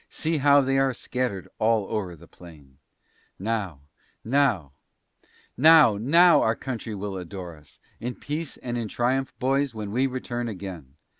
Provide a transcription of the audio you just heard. See how they are scattered all over the plain! Now, now now, now our country will adore us! In peace and in triumph, boys, when we return again!